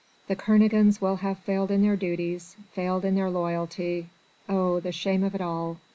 The Kernogans will have failed in their duty, failed in their loyalty! Oh! the shame of it all!